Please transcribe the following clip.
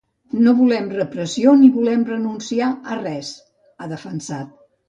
No volem repressió ni volem renunciar a res, ha defensat.